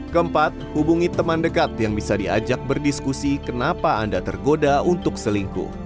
keempat hubungi teman dekat yang bisa diajak berdiskusi kenapa anda tergoda untuk selingkuh